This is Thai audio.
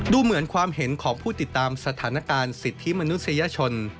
ดูเหมือนความเห็นของผู้ติดตามสถานการณ์สิทธิมนุษยชน